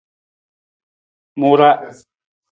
Mu ra.